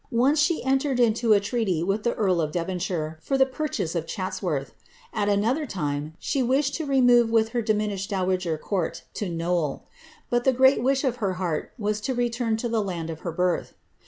Once she entered into a treaty with the earl of Devon shire for the purchase of Chat.<<worth ; at anotlier time, she wished to remove with her diminished dowager court to Knowle ; but the great wish of her heart was to return to the land of her birth.